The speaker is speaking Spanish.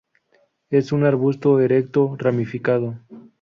Es un arbusto erecto ramificado.